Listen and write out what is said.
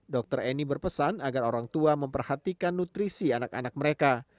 dokter eni berpesan agar orang tua memperhatikan nutrisi anak anak mereka